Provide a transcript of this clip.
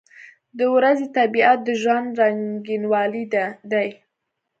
• د ورځې طبیعت د ژوند رنګینوالی دی.